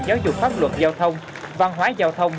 giáo dục pháp luật giao thông văn hóa giao thông